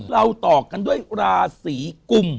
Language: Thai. เราต่อกันด้วยราศีกุม